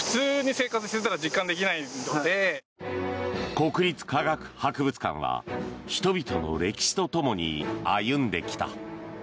国立科学博物館は人々の歴史とともに歩んできた。